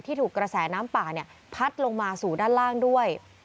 ถูกกระแสน้ำป่าพัดลงมาสู่ด้านล่างด้วย